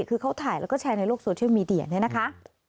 คือเขาถ่ายแล้วก็แชร์ในโลกโซเชียลมีเดียเนี่ยนะคะ